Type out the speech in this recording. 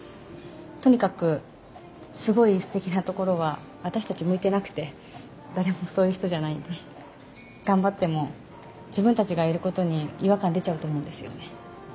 とにかくすごいすてきな所は私たち向いてなくて誰もそういう人じゃないんで頑張っても自分たちがいることに違和感出ちゃうと思うんですよね